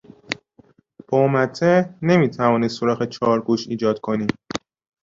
با مته نمیتوانی سوراخ چهارگوش ایجاد کنی.